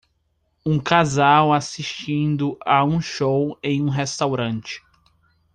Um casal assistindo a um show em um restaurante.